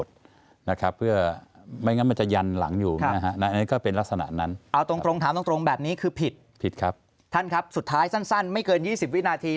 ท่านครับสุดท้ายสั้นไม่เกิน๒๐วินาที